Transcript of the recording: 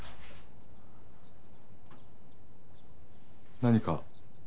何か？